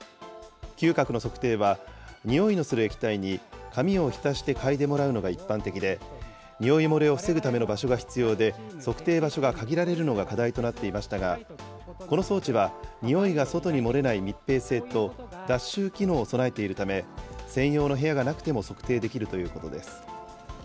嗅覚の測定は、匂いのする液体に紙を浸して嗅いでもらうのが一般的で、匂い漏れを防ぐための場所が必要で、測定場所が限られるのが課題となっていましたが、この装置は、匂いが外に漏れない密閉性と脱臭機能を備えているため、専用の部屋がなくても測定できるということです。